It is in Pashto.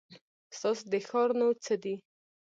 ستاسو د ښار نو څه دی ؟